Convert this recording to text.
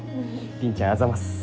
凛ちゃんあざます。